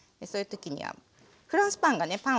そういう時にはフランスパンがね